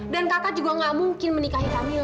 dan kakak juga gak mungkin menikahi kamila